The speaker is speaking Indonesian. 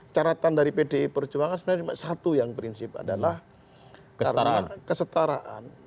caratan dari pdi perjuangan sebenarnya satu yang prinsip adalah karena kesetaraan